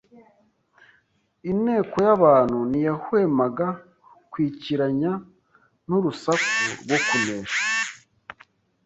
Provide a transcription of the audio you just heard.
Inteko y'abantu ntiyahwemaga kwikiranya n'urusaku rwo kunesha;